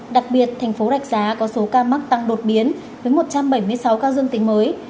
đặc biệt tp đạch giá có số ca mắc tăng đột biến với một trăm bảy mươi sáu ca dương tính mới